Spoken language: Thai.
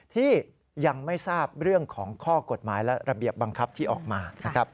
ที่ยังไม่ทราบเรื่องของข้อกฎหมายและระเบียบบังคับที่ออกมานะครับ